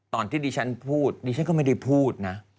ตอนที่ดิฉันพูดดิฉันก็ไม่ได้พูดนะ